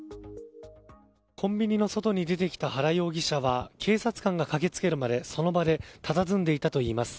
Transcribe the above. コンビニの外に出てきた原容疑者は警察官が駆け付けるまでその場でたたずんでいたといいます。